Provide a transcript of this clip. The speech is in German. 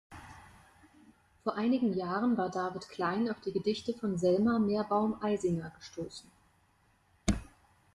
Vor einigen Jahren war David Klein auf die Gedichte von Selma Meerbaum-Eisinger gestoßen.